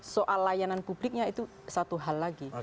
soal layanan publiknya itu satu hal lagi